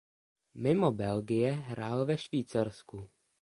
Mimo Belgie hrál ve Švýcarsku.